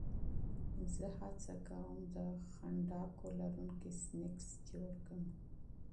زه هڅه کوم د پنیر لرونکي سنکس جوړ کړم.